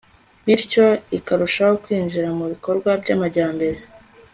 bityo ikarushaho kwinjira mu bikorwa by'amajyambere